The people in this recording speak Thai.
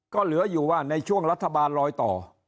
ก็เหลืออยู่ว่าในช่วงรัฐบาลลอยต่อ